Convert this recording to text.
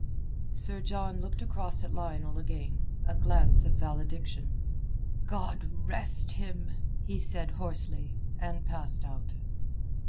Sir John looked across at Lionel again—a glance of valediction. "God rest him!" he said hoarsely, and passed out.